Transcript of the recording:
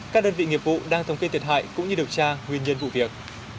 các đơn vị nghiệp vụ đang thông tin thiệt hại cũng như điều tra nguyên nhân vụ việc